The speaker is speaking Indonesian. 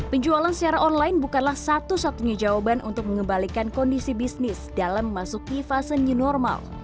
penjualan secara online bukanlah satu satunya jawaban untuk mengembalikan kondisi bisnis dalam memasuki fase new normal